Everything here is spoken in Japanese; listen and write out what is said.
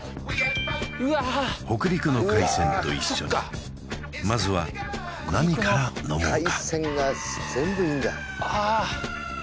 北陸の海鮮と一緒にまずは何から飲もうか？